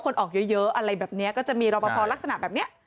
คนออกเยอะอะไรแบบนี้ก็จะมีรอปภลักษณะแบบนี้